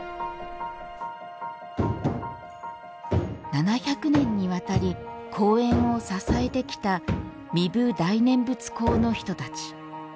７００年にわたり公演を支えてきた壬生大念沸講の人たち。